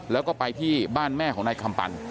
แล้วก็ไปที่บ้านแม่ของนายคำปัน